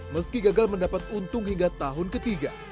meski gagal mendapat untung hingga tahun ketiga